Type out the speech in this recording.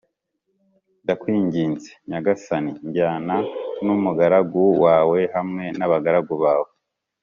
Ndakwinginze, nyagasani, jyana n’umugaragu wawe hamwe n’abagaragu bawe.